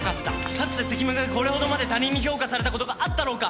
かつて関目がこれほどまで他人に評価されたことがあったろうか？